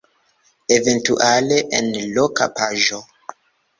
Eventuale en loka paĝo.